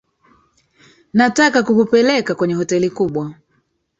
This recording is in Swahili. Nataka kukupeleka kwenye hoteli kubwa.